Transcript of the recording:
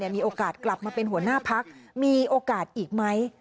มีโอกาสกลับมาเป็นหัวหน้าพักมีโอกาสอีกไหม